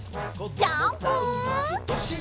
ジャンプ！